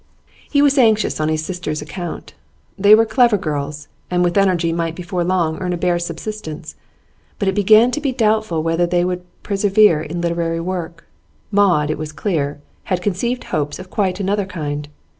He was anxious on his sisters' account. They were clever girls, and with energy might before long earn a bare subsistence; but it began to be doubtful whether they would persevere in literary work. Maud, it was clear, had conceived hopes of quite another kind.